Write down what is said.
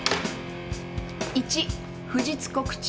①不実告知。